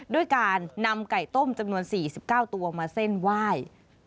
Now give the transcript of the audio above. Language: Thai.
ด้วยการนำไก่ต้มจำนวน๔๙ตัวมาเส้นไหว้